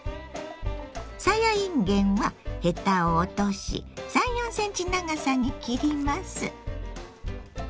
さやいんげんはヘタを落とし３４ｃｍ長さに切ります。